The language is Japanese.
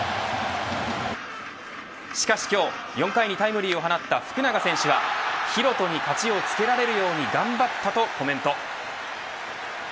しかし今日、４回にタイムリーを放った福永選手は宏斗に勝ちをつけられるように頑張ったとコメント。